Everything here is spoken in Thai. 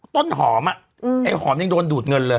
ต้นหอมอ่ะไอ้หอมยังโดนดูดเงินเลย